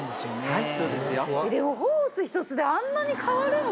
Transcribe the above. はい。